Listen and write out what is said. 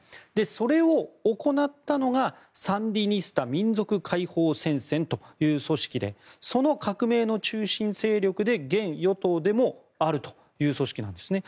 それを行ったのがサンディニスタ民族解放戦線という組織でその革命の中心勢力で現与党でもある組織なんですね。